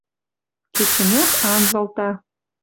Кечӹньок анзылта